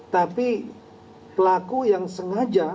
tapi pelaku yang sengaja